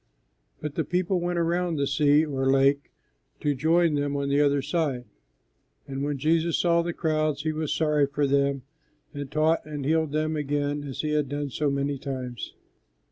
But the people went around the sea, or lake, to join them on the other side; and when Jesus saw the crowds He was sorry for them, and taught and healed them again as He had done so many times.